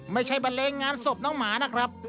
ไม่ใช่บรรเลงงานศพน้องหมานะครับ